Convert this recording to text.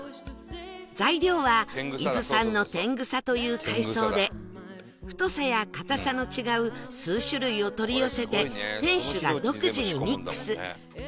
材料は伊豆産のテングサという海藻で太さや硬さの違う数種類を取り寄せて店主が独自にミックス